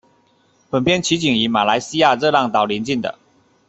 本片取景于马来西亚热浪岛邻近的。